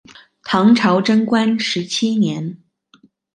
唐朝贞观十七年。